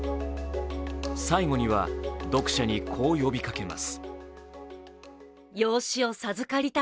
最後には読者にこう呼びかけます。